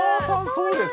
そうですか。